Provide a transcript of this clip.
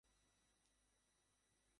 তোর বাপের টাকা?